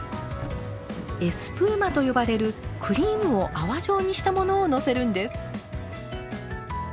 エスプーマと呼ばれるクリームを泡状にしたものをのせるんです。